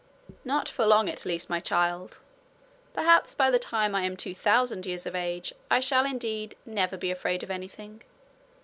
'Not for long, at least, my child. Perhaps by the time I am two thousand years of age, I shall, indeed, never be afraid of anything.